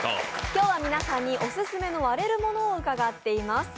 今日は皆さんにオススメの割れるものを伺っています。